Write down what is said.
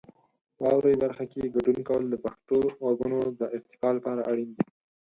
واورئ برخه کې ګډون کول د پښتو غږونو د ارتقا لپاره اړین دی.